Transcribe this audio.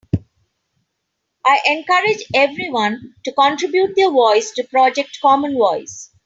I encourage everyone to contribute their voice to Project Common Voice.